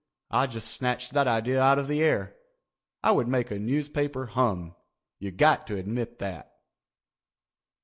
I just snatched that idea out of the air. I would make a newspaper hum. You got to admit that."